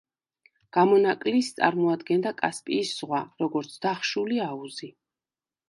გამონაკლისს წარმოადგენდა კასპიის ზღვა, როგორც დახშული აუზი.